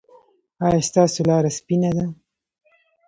ایا ستاسو لاره سپینه ده؟